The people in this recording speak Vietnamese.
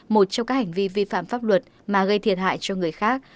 một trong các hành vi vi phạm pháp luật mà gây thiệt hại cho người khác